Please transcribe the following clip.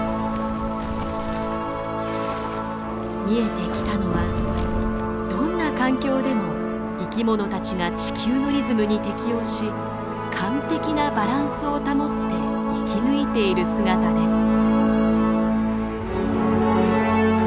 見えてきたのはどんな環境でも生き物たちが地球のリズムに適応し完璧なバランスを保って生き抜いている姿です。